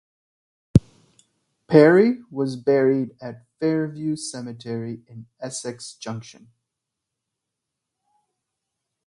Perry was buried at Fairview Cemetery in Essex Junction.